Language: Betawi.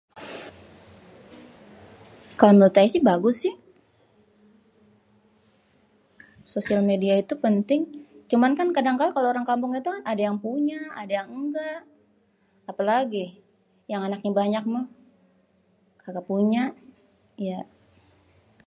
kalo menurut aye si bagus si sosial media itu penting cuman kan kadangkala kalo orang kampung itukan ada yang punya ada yang engga apelagi yang anaknya banyak mah kaga punya ya